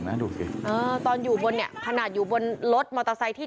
ดูสิเออตอนอยู่บนเนี่ยขนาดอยู่บนรถมอเตอร์ไซค์ที่